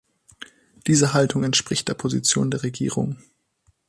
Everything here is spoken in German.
Diese Haltung entspricht der Position der Regierung.